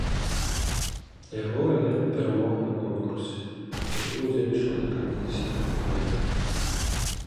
Яго варыянт перамог на конкурсе, у якім удзельнічала некалькі дзясяткаў праектаў.